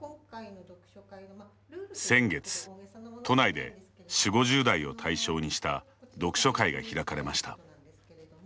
先月、都内で４０５０代を対象にした読書会が開かれました。